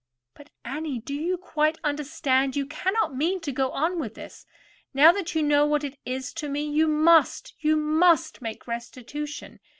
"But, Annie, do you quite understand? You cannot mean to go on with this. Now that you know what it is to me, you must—you must make restitution.